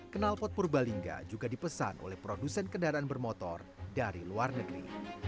kenalpot purbalingga juga dipesan oleh produsen kendaraan bermotor dari luar negeri